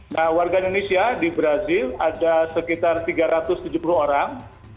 nah warga indonesia di brazil ada sekitar tiga ratus tujuh puluh orang